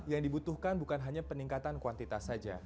yang dibutuhkan bukan hanya peningkatan kuantitas saja